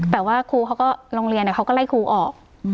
แต่ว่าครูเขาก็โรงเรียนเขาก็ไล่ครูออก